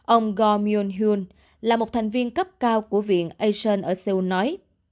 ông go myung hyun là một thành viên cấp cao của viện asean ở seoul nói